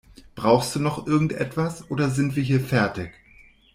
Brauchst du noch irgendetwas oder sind wir hier fertig?